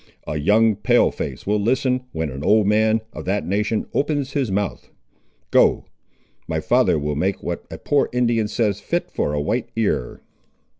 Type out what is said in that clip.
A young Pale face will listen when an old man of that nation opens his mouth. Go; my father will make what a poor Indian says fit for a white ear."